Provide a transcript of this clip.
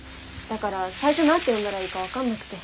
だから最初何て呼んだらいいか分かんなくて。